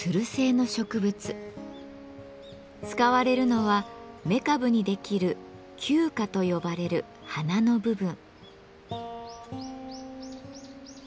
使われるのは雌株にできる「毬花」と呼ばれる花の部分。